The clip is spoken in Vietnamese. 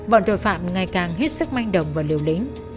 bọn tội phạm ngày càng hết sức manh động và liều lĩnh